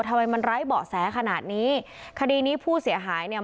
ทำไมมันไร้เบาะแสขนาดนี้คดีนี้ผู้เสียหายเนี่ย